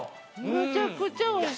むちゃくちゃ美味しい。